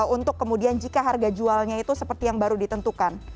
untuk kemudian jika harga jualnya itu seperti yang baru ditentukan